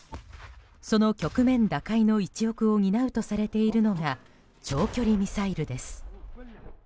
その局面打開の一翼を担うとされているのが長距離ミサイルです。